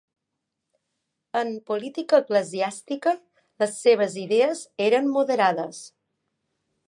En política eclesiàstica, les seves idees eren moderades.